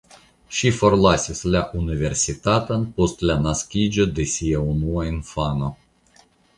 Ŝi forlasis la universitaton post la naskiĝo de sia unua infano.